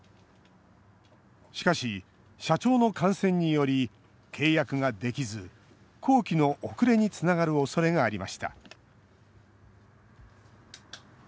しかし、社長の感染により契約ができず工期の遅れにつながるおそれがありました。